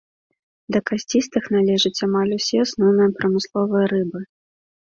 Да касцістых належаць амаль усе асноўныя прамысловыя рыбы.